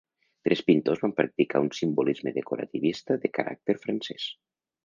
Tres pintors van practicar un simbolisme decorativista de caràcter francès.